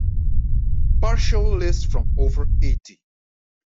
Partial list from over eighty.